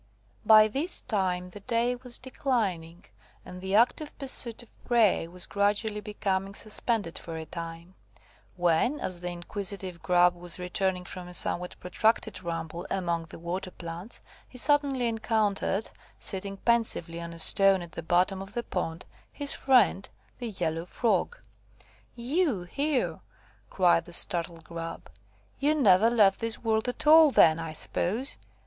By this time the day was declining, and the active pursuit of prey was gradually becoming suspended for a time; when, as the inquisitive Grub was returning from a somewhat protracted ramble among the water plants, he suddenly encountered, sitting pensively on a stone at the bottom of the pond, his friend the yellow Frog. "You here!" cried the startled Grub; "you never left this world at all, then, I suppose.